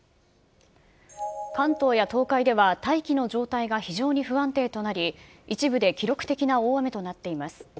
関東や東海では、大気の状態が非常に不安定となり、一部で記録的な大雨となっています。